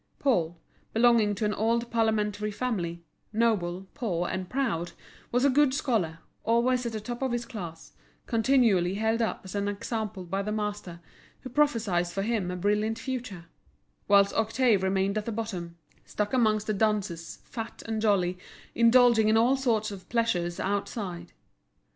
Paul, belonging to an old parliamentary family, noble, poor, and proud, was a good scholar, always at the top of his class, continually held up as an example by the master, who prophesied for him a brilliant future; whilst Octave remained at the bottom, stuck amongst the dunces, fat and jolly, indulging in all sorts of pleasures outside.